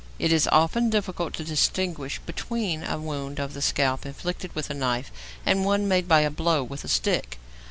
It is often difficult to distinguish between a wound of the scalp inflicted with a knife and one made by a blow with a stick.